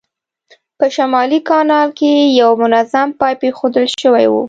په شمالي کانال کې یو منظم پایپ اېښودل شوی و.